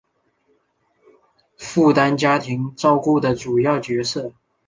负担家庭照顾的主要角色